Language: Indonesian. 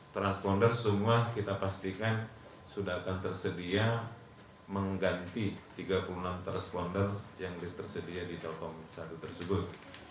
transponder semua kita pastikan sudah akan tersedia mengganti tiga puluh enam transponder yang tersedia di telkom satu tersebut